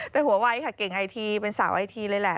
แต่หัววัยค่ะเก่งไอทีเป็นสาวไอทีเลยแหละ